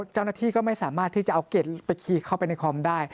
เจ้าหน้าที่ก็ไม่สามารถที่จะเอาเกร็ดไปขี่เข้าไปในคอมได้